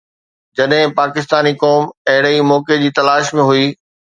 جڏهن پاڪستاني قوم اهڙي ئي موقعي جي تلاش ۾ هئي.